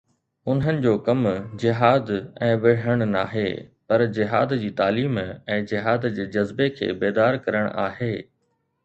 انهن جو ڪم جهاد ۽ وڙهڻ ناهي، پر جهاد جي تعليم ۽ جهاد جي جذبي کي بيدار ڪرڻ آهي.